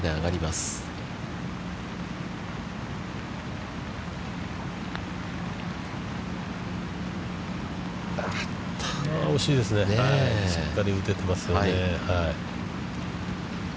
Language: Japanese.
しっかり打ててますよね。